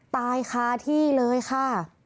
ตายคาที่เลยค่ะ